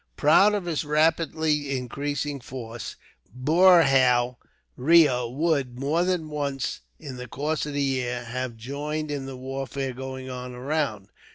Proud of his rapidly increasing force, Boorhau Reo would, more than once in the course of the year, have joined in the warfare going on around.